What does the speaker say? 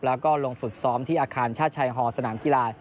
แล้วก็ลงฝึกซ้อมที่อาคารชาติชายฮอลสนามกีฬา